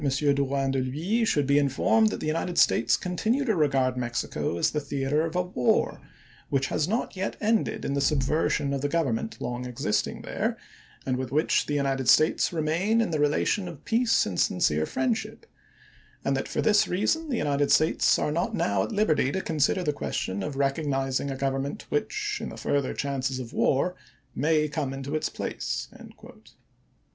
Drouyn de l'Huys should be informed that the United States continue to regard Mexico as the theater of a war which has not yet ended in the subversion of the Government long existing there, and with which the United States remain in the relation of peace and sincere friend ship ; and that for this reason the United States are not now at liberty to consider the question of to Dayton, recognizing a government which, in the further 1863. ' chances of war, may come into its place."